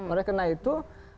oleh karena itu